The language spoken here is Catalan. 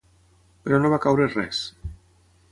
Però no va caure res.